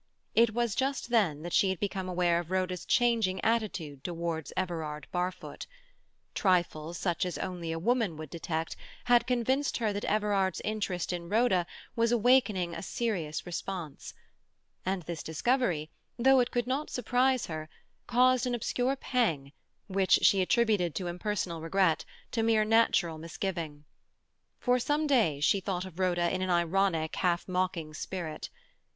It was just then that she had become aware of Rhoda's changing attitude towards Everard Barfoot; trifles such as only a woman would detect had convinced her that Everard's interest in Rhoda was awakening a serious response; and this discovery, though it could not surprise her, caused an obscure pang which she attributed to impersonal regret, to mere natural misgiving. For some days she thought of Rhoda in an ironic, half mocking spirit.